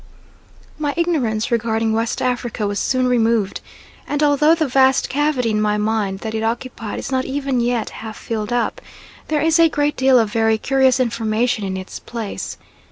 My ignorance regarding West Africa was soon removed. And although the vast cavity in my mind that it occupied is not even yet half filled up, there is a great deal of very curious information in its place.